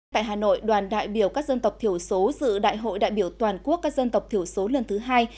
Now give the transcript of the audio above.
tại hà nội đoàn đại biểu các dân tộc thiểu số dự đại hội đại biểu toàn quốc các dân tộc thiểu số lần thứ hai